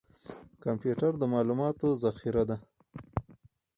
کمپیوټر د معلوماتو ذخیره ده